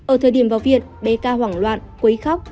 ở thời điểm vào viện bé tra hoảng loạn quấy khóc